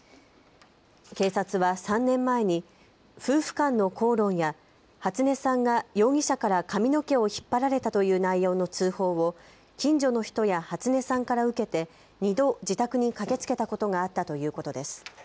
警察は３年前に夫婦間の口論や初音さんが容疑者から髪の毛を引っ張られたという内容の通報を近所の人や初音さんから受けて、２度、自宅に駆けつけたことがあったということです。